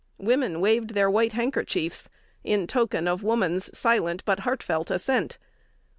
Women waved their white handkerchiefs in token of woman's silent but heartfelt assent.